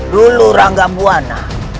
dulu rangga buwana